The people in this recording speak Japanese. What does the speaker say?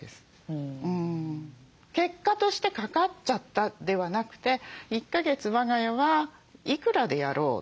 結果としてかかっちゃったではなくて１か月我が家はいくらでやろう。